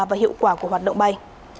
và hiệu quả của hoạt động bay